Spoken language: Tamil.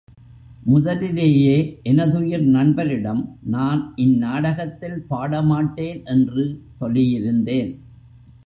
முதலிலேயே எனதுயிர் நண்பரிடம் நான் இந் நாடகத்தில் பாட மாட்டேன் என்று சொல்லியிருந்தேன்.